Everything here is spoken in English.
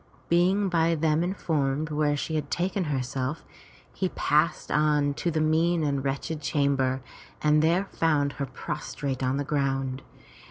Being by them informed where she had taken herself, he passed on to the mean and wretched chamber, and there found her prostrate on the ground.